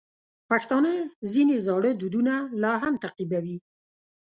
پښتانه ځینې زاړه دودونه لا هم تعقیبوي.